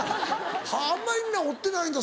あんまり皆折ってないんだ